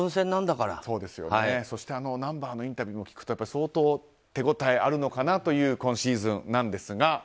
そして、「Ｎｕｍｂｅｒ」のインタビューも聞くと相当、手応えがあるのかなという今シーズンなんですが。